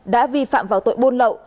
đã vi phạm vào tội buôn lậu